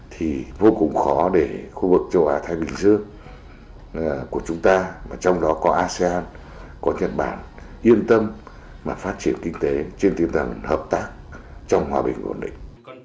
thì vô cùng khó để khu vực châu á thái bình dương của chúng ta và trong đó có asean có nhật bản yên tâm mà phát triển kinh tế trên tinh thần hợp tác trong hòa bình ổn định